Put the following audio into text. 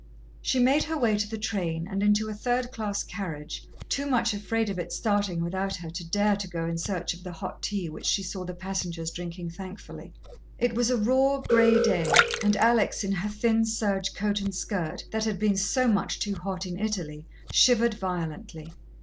She made her way to the train and into a third class carriage, too much afraid of its starting without her to dare to go in search of the hot tea which she saw the passengers drinking thankfully. It was a raw, grey day, and Alex, in her thin serge coat and skirt, that had been so much too hot in Italy, shivered violently.